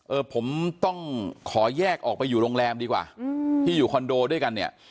เออผมต้องขอแยกออกไปอยู่โรงแรมดีกว่าที่อยู่คอนโดด้วยกันเนี่ย